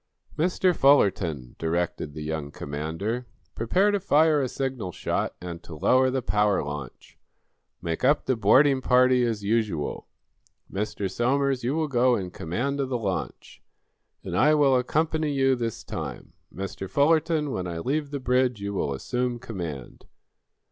"Mr. Fullerton," directed the young commander, "prepare to fire a signal shot and to lower the power launch. Make up the boarding party as usual. Mr. Somers, you will go in command of the launch. And I will accompany you this time. Mr. Fullerton, when I leave the bridge, you will assume command."